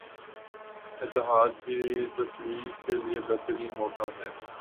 اتحاد کی تقویت کیلئے بہترین موقع ہے